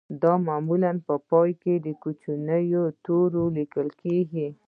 دا معمولاً په پای کې په کوچنیو تورو لیکل کیږي